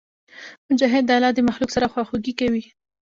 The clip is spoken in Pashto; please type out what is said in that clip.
مجاهد د الله د مخلوق سره خواخوږي کوي.